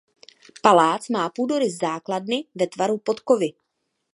Palác má půdorys základny ve tvaru podkovy.